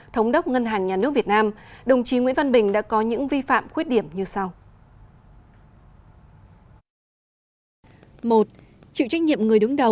thống đốc ngân hàng nhà nước việt nam đồng chí nguyễn văn bình đã có những vi phạm khuyết điểm như sau